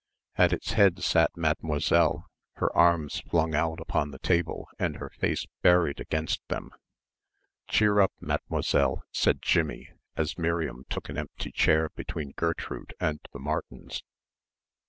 At its head sat Mademoiselle, her arms flung out upon the table and her face buried against them. "Cheer up, Mademoiselle," said Jimmie as Miriam took an empty chair between Gertrude and the Martins.